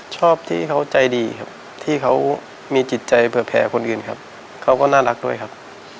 ชอบที่เขาใจดีครับที่เขามีจิตใจเผื่อแผลคนอื่นครับเขาก็น่ารักด้วยครับ